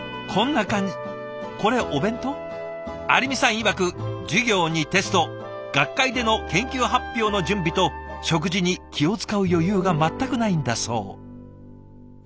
いわく授業にテスト学会での研究発表の準備と食事に気を遣う余裕が全くないんだそう。